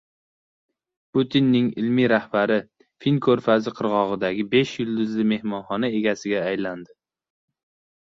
Putinning ilmiy rahbari Fin ko‘rfazi qirg‘og‘idagi besh yulduzli mehmonxona egasiga aylandi